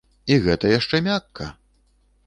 І гэта яшчэ мякка.